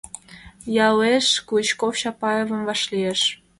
Ялеш Клычков Чапаевым вашлиеш.